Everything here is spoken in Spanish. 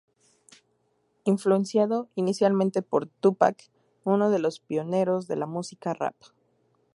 Influenciado inicialmente por Tupac, uno de los pioneros de la música rap.